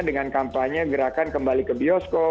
dengan kampanye gerakan kembali ke bioskop